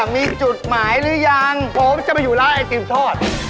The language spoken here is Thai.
มีจุดหมายหรือยังผมจะไปอยู่ร้านไอติมทอด